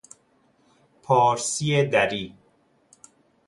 پارسی دری